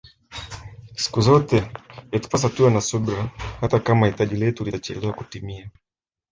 Siku zote yatupasa tuwe na subira hata Kama hitaji letu litachelewa kutimia